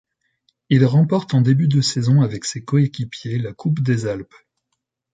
Il remporte en début de saison avec ses coéquipiers la Coupe des Alpes.